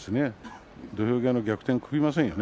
土俵際の逆転を食いませんよね